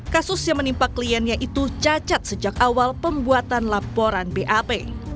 kasus yang menimpa kliennya itu cacat sejak awal pembuatan laporan bap